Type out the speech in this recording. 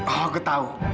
oh aku tahu